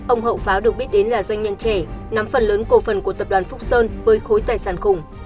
ông hậu pháo được biết đến là doanh nhân trẻ nắm phần lớn cổ phần của tập đoàn phúc sơn với khối tài sản khủng